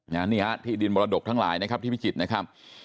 นี่ฮะที่ดินมรดกทั้งหลายนะครับที่พิจิตรนะครับ